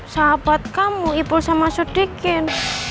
sahabat kamu ibu sama sudikin